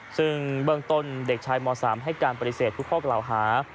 ซึ่งเบื้องต้นเด็กชายม๓ให้การปฏิเสธทุกข้อกล่าวหา